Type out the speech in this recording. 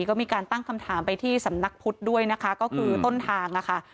ก็มีการตั้งคำถามไปที่สำนักพุทธด้วยนะคะก็คือต้นทางค่ะ